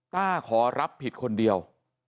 ขอรับผิดคนเดียว